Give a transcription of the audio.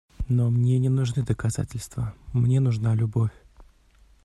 Но мне не нужны доказательства, мне нужна любовь.